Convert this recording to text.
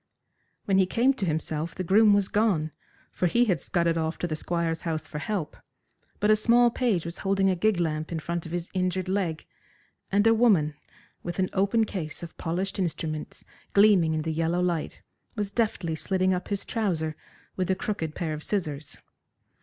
When he came to himself the groom was gone, for he had scudded off to the Squire's house for help, but a small page was holding a gig lamp in front of his injured leg, and a woman, with an open case of polished instruments gleaming in the yellow light, was deftly slitting up his trouser with a crooked pair of scissors.